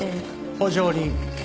補助輪。